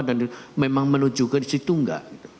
dan memang menuju ke situ enggak